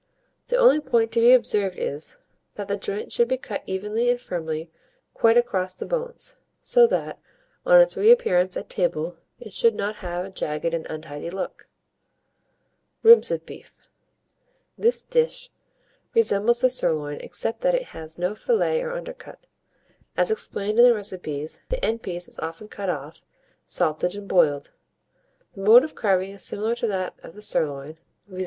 The only point to be observed is, that the joint should be cut evenly and firmly quite across the bones, so that, on its reappearance at table, it should not have a jagged and untidy look. RIBS OF BEEF. This dish resembles the sirloin, except that it has no fillet or undercut. As explained in the recipes, the end piece is often cut off, salted and boiled. The mode of carving is similar to that of the sirloin, viz.